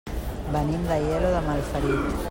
Venim d'Aielo de Malferit.